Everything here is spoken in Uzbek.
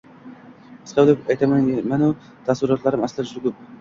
Qisqa qilib aytayapman-u, taassurotlarim aslida juda koʻp.